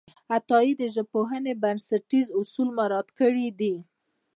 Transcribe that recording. عطایي د ژبپوهنې بنسټیز اصول مراعت کړي دي.